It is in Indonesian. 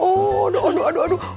oh oh oh aduh aduh aduh